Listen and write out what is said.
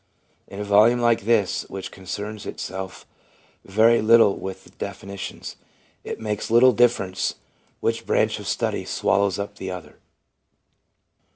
In a volume like this, which concerns itself very little with definitions, it makes little difference which branch of study swallows up the other.